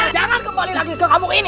jangan kembali lagi ke kampung ini